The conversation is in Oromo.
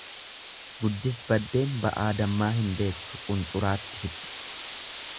Guddis baddeen ba'aa dammaa hin beektu qunxuraatti fixxi.